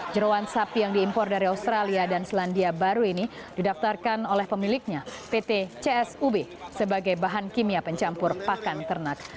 jerawan sapi yang diimpor dari australia dan selandia baru ini didaftarkan oleh pemiliknya pt csub sebagai bahan kimia pencampur pakan ternak